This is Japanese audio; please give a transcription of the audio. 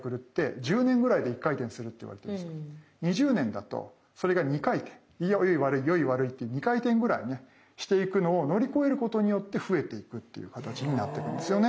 でも先生この一般的には良い悪い良い悪いって２回転ぐらいねしていくのを乗り越えることによって増えていくっていう形になってるんですよね。